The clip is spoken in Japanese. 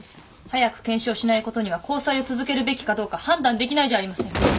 早く検証しないことには交際を続けるべきかどうか判断できないじゃありませんか。